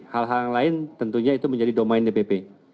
hal hal yang lain tentunya itu menjadi domain dpp